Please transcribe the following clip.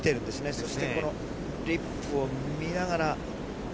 そして、このリップを見ながら。